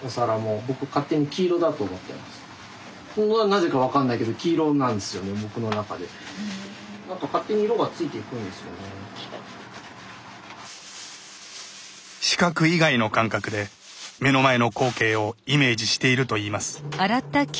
なぜか分かんないけど視覚以外の感覚で目の前の光景をイメージしているといいます。